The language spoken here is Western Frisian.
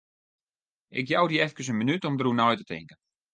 Ik jou dy efkes in minút om dêroer nei te tinken.